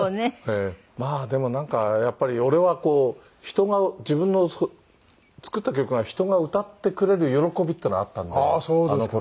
まあでもなんかやっぱり俺はこう人が自分の作った曲が人が歌ってくれる喜びっていうのがあったのであの頃。